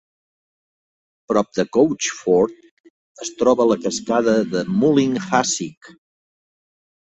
Prop de Coachford es troba la cascada de Mullinhassig.